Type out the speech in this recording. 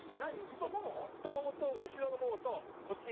太ももと後ろのももとお尻。